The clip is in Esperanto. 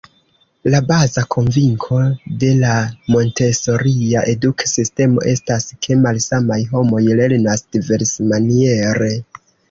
La baza konvinko de la Montesoria eduk-sistemo estas, ke malsamaj homoj lernas diversmaniere.